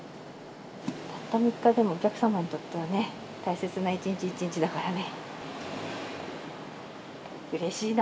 たった３日でもお客様にとってはね、大切な一日一日だからね。